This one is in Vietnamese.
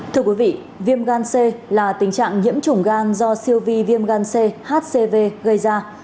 thưa quý vị viêm gan c là tình trạng nhiễm chủng gan do siêu vi viêm gan cv gây ra